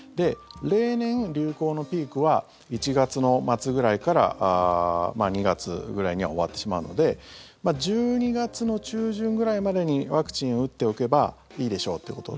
例年、流行のピークは１月の末ぐらいから２月ぐらいには終わってしまうので１２月の中旬ぐらいまでにワクチンを打っておけばいいでしょうということ。